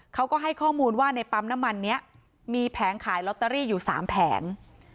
เขาก็ให้ข้อมูลว่าในปั๊มน้ำมันนี้มีแผงขายลอตเตอรี่อยู่๓แผง